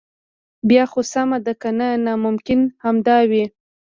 بیا خو سمه ده کنه ناممکن همدا وي.